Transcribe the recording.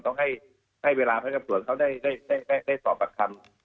ต้องให้เวลาให้สวนเขาได้ตอบประคำ